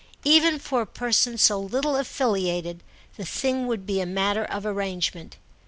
Even for a person so little affiliated the thing would be a matter of arrangement.